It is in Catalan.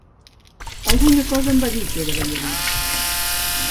Alguna cosa em va dir que era ballarí.